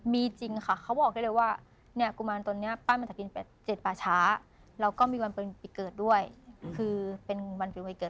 มีด้วยเหรอสี่พื้นเหรอ